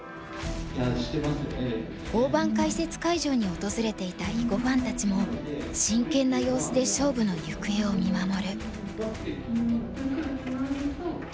大盤解説会場に訪れていた囲碁ファンたちも真剣な様子で勝負の行方を見守る。